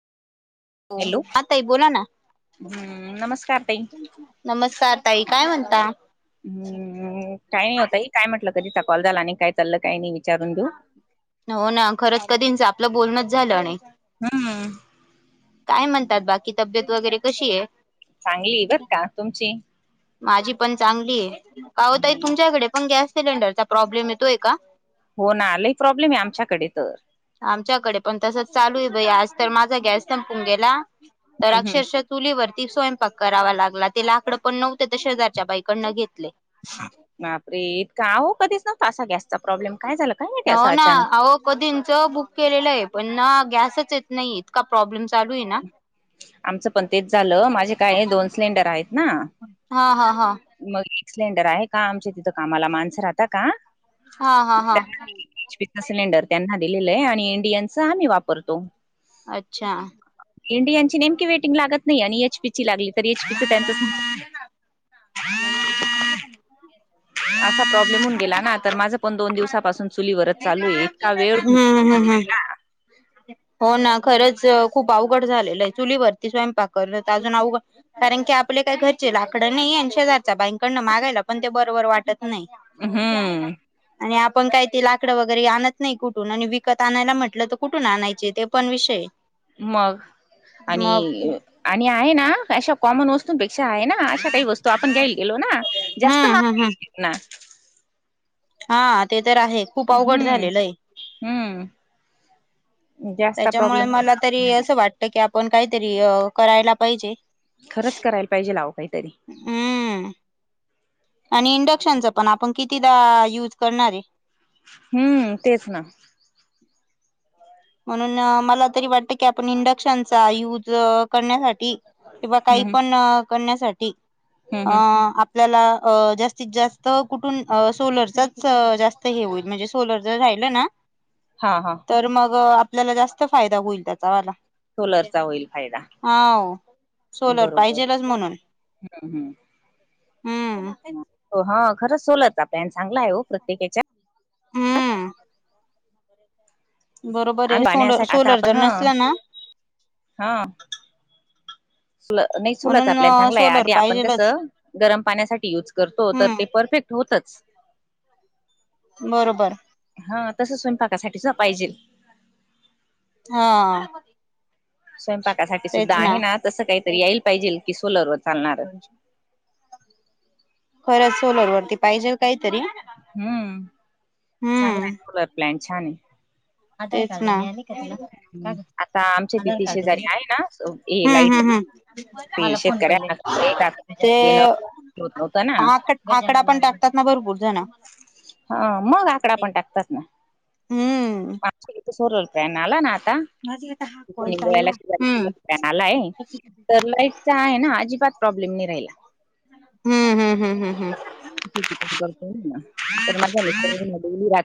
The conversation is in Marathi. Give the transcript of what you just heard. हा, हॅलो हो ताई बोला ना. हम्म नमस्कार ताई नमस्कार, ताई काय म्हणता? हं, काही नाही ओ ताई कधीचा कॉल झाला काय चाललंय काय नाही. विचारून घेऊ हो ना खरंच कधीच आपलं बोलणंच झालं नाही. हम्म काय म्हणतात बाकी? तब्येत वगैरे कशी आहे? चांगली आहे बरं का? तुमची? माझी पण चांगली आहे. अहो ताई तुमच्याकडे पण गॅस सिलेंडरचा प्रॉब्लेम येतोय का? हो ना लय प्रॉब्लेम आहे आमच्याकडे तर आमच्याकडे पण तसंच आहे बाई आज तर माझा गॅस संपून गेला तर हम्म हम्म अक्षरशः चुलीवरती स्वयंपाक करावा लागला ते लाकडं पण नव्हते ते शेजारच्या बाईकडून घेतले. बापरे! इतका? अहो कधीच नव्हता इतका गॅसचा प्रॉब्लेम काय झालं? काय माहिती असं हो ना अचानक अहो कधीच बुक केलेलं आहे पण गॅसच येत नाहीये. इतका प्रॉब्लेम चालू आहे ना. आमचं पण तेच झालं माझे काय दोन सिलेंडर आहेत ना. हा, हा, हा. मग एक सिलेंडर आहे का? आमच्या तिथं कामाला माणसं राहतात का हा हा हा त्यांना? एचपीचा सिलेंडर त्यांना दिलेला आहे आणि इंडेनचा आम्ही वापरतो. अच्छा. इंडियनची वेटिंग लागत नाही आणि एचपी लागली तर एचपीच त्यांच सं [unintelligible] असा प्रॉब्लेम होऊन गेला ना तर माझं पण दोन दिवसापासून चुलीवर चालू आहे. इतका वेळ हं हं हं हो नां खरंच खूंप अवघडं झालेलं आहे चुलींवरती स्वयंपाक खरंच अजूंन अवघं कारणं की आपले कायं घरंचे लाग तिकडं नाहीं ऐंशी हजारच्यां बाईन कडनं मागांयला पणं ते बरोबर वाटतं नाहीं तुझे आले कां हम्म आणि आपणं कायं ते लाकडं वगैरें आणतं नाहीं कुठूंन आणि विकतं आणांयला म्हटलं तरं कुठूंन आणायचं चे पणं विषय आहे मंग आणि आणि आहे नां अशा कॉमन वस्तूंपेक्षा आहे नां हां अशा कांहीं वस्तूं आपणं घ्यायला गेलो नां हम्म जास्तं हम्म महांग नां हां ते तरं आहेतं हं हं त्यांच्यामुळे मलां तरी असं वाटतं की आपणं कांहींतरी अं करायला पाहिजे खरंच करायला पाहिजे अहो कांहींतरी हं आणि इंडक्शनचं पणं आपणं कितीदां युंज करणारं आहे हम्मं तेचं नां म्हणूंन मलां तरी वाटतं की आपणं इंडक्शनचां यूंज करण्यांसाठी किंवा कांहीं हम्म पणं करण्यांसाठी हम्म हम्म अं आपल्यांला अं जास्तं जास्तं कुठूंन अं सोलरचांच जास्तं हे होईल म्हणजे सोलर जरं राहिलं नां हां हां तरं मंग आपल्यांला जास्तं फायदां होईल त्यांचावांला सोलरचां होईल फायदां हांव सोलर पाहिजेलचं म्हणूंन हम्म हम्म हं हो हां खरंच सोलारचां प्लॅन चांगला आहे हो प्रत्येक हेच्यांत हं बरोबर आहे आम्हीं सोलर पाण्यांसाठी आंता सोलर जर आपणं हं नसला ना हं सोलर नाहीं सोलर आपल्यांला म्हणून चांगलंय सोलर आंधी आपणं पाहिजेलच कसं गरमं पाण्यांसाठी युंज करतो ते हम्म परफेक्टं होतंच बरोबर हां तसं स्वयंपाकांसाठीचां पाहिजेल हां स्वयंपाकांसाठी सुद्धां आहे ना नां तसं कांहींतरी यायंला पाहिजेल की सोलर वरं चालणारं [unintelligible] खरंच सोलर वरती पाहिजेल कांहींतरी हम्मं चांगल आहे सोलर प्लॅन छांन आहे आंता आमच्यां तिथे शेजारी आहे नां ये हम्म लाईट हम्म हम्म ते शेतकऱ्यांना लांख देणं होतं नव्हतं नां आकडां पणं टाकतांत नां भरंपूर जणं हां मंग आकडां पणं टाकतांत हम्म नां सोलर प्लॅन आलांय नां आंता त्यांनी हम्म घ्यायंला आलांय तरं लाईटंचा आहे नां अजिबांत प्रॉब्लेम नाहीं राहिलं हं हं हं हं [unintelligible] [unintelligible]